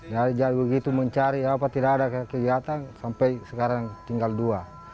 dari begitu mencari apa tidak ada kegiatan sampai sekarang tinggal dua